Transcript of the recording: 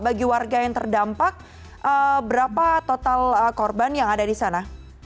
bagi warga yang terdampak berapa total korban yang ada di sana